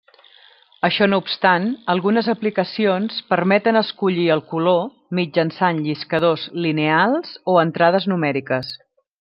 Això no obstant, algunes aplicacions permeten escollir el color mitjançant lliscadors lineals o entrades numèriques.